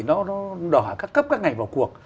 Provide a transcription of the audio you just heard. nó đòi hỏi các cấp các ngành vào cuộc